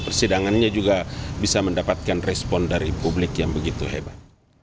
persidangannya juga bisa mendapatkan respon dari publik yang begitu hebat